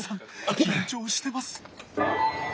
緊張してます。